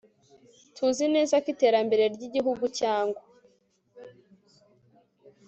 Tuzi neza ko iterambere ry igihugu cyangwa